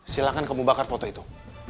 silahkan kamu bakar foto itu